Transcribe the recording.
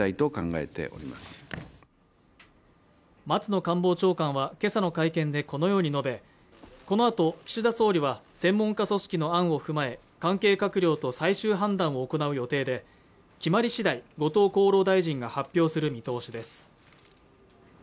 松野官房長官は今朝の会見でこのように述べこのあと岸田総理は専門家組織の案を踏まえ関係閣僚と最終判断を行う予定で決まり次第後藤厚労大臣が発表する見通しです